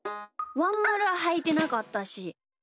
ワンまるははいてなかったし。